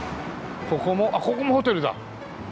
ここもあっここもホテルだ。